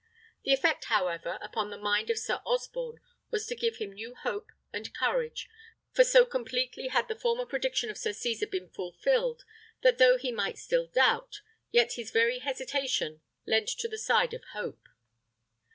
The effect, however, upon the mind of Sir Osborne was to give him new hope and courage; for so completely had the former prediction of Sir Cesar been fulfilled, that though he might still doubt, yet his very hesitation leant to the side of hope.